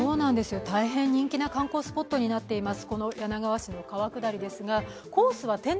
大変人気な観光スポットになっています。